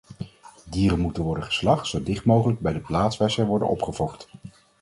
Dieren moeten worden geslacht zo dicht mogelijk bij de plaats waar zij worden opgefokt.